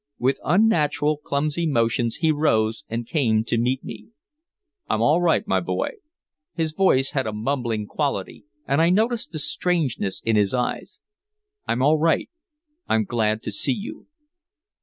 With unnatural, clumsy motions he rose and came to meet me. "I'm all right, my boy." His voice had a mumbling quality and I noticed the strangeness in his eyes. "I'm all right. I'm glad to see you."